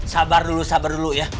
sabar dulu sabar dulu ya